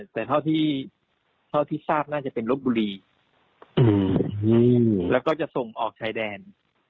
แต่เท่าที่ทราบน่าจะเป็นลบบุรีแล้วก็จะส่งออกชายแดน